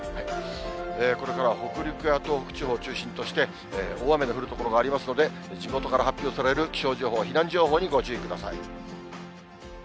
これからは北陸や東北地方を中心として、大雨の降る所がありますので、地元から発表される気象情報、避難情報にご注意ください。